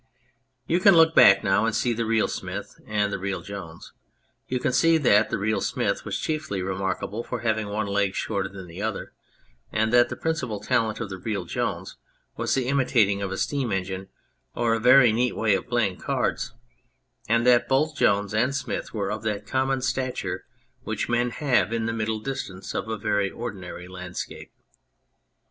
You can look back now and see the real Smith and the real Jones. You can see that the real Smith was chiefly remarkable for having one leg shorter than the other, and that the principal talent of the real Jones was the imitating of a steam engine, or a very neat way of playing cards ; and that both J ones and Smith were of that common stature which men 102 The Shadows have in the middle distance of a very ordinary landscape.